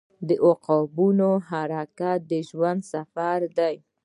• د عقربو حرکت د ژوند سفر دی.